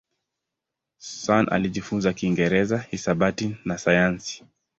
Sun alijifunza Kiingereza, hisabati na sayansi.